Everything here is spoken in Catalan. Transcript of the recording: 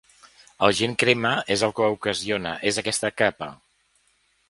El gen crema és el que ocasiona és aquesta capa.